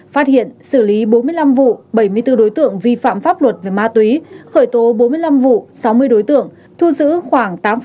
phát hiện xử lý bốn mươi năm vụ bảy mươi bốn đối tượng vi phạm pháp luật về ma túy khởi tố bốn mươi năm vụ sáu mươi đối tượng